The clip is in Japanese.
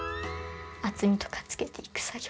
厚みとかをつけていく作業。